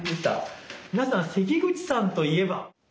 皆さん関口さんといえば？